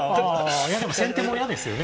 ああいやでも先手も嫌ですよね